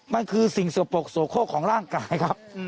มันคือสิ่งสกปรกโสโคกของร่างกายครับ